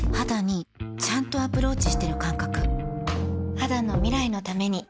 肌の未来のために